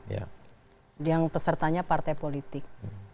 yang pesertanya partai politik